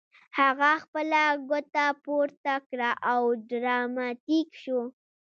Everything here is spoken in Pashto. هغه خپله ګوته پورته کړه او ډراماتیک شو